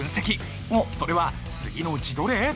それは次のうちどれ？